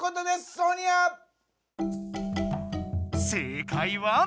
正解は。